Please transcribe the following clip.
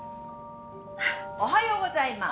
おはようございます。